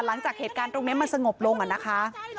หลังจากเหตุการณ์ตรงนี้มันสงบลงอะนะคะ